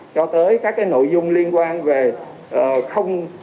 cho tới các nội dung liên quan về không